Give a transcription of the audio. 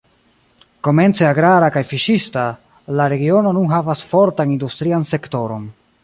Komence agrara kaj fiŝista, la regiono nun havas fortan industrian sektoron.